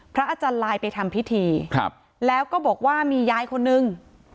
อาจารย์ลายไปทำพิธีครับแล้วก็บอกว่ามียายคนนึง